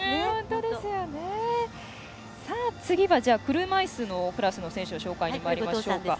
次は車いすのクラスの選手の紹介にまいりましょう。